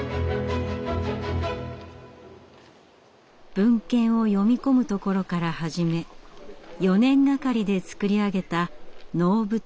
文献を読み込むところから始め４年がかりで造り上げた能舞台。